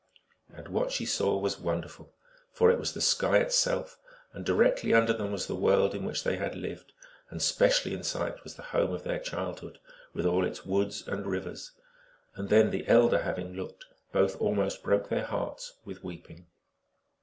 And what she saw was wonderful, for it was the sky itself, and directly under them was the world in which they had lived, and specially in sight was the home of their childhood, with all its woods and rivers. And then the elder having looked, both al most broke their hearts with weeping.